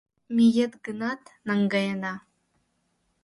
Миет гынат, наҥгаена